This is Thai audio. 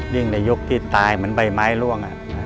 ในยุคที่ตายเหมือนใบไม้ล่วง